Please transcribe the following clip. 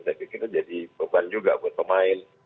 saya pikir itu jadi beban juga buat pemain